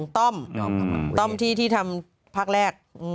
ต้มที่ที่ทำภาคแรก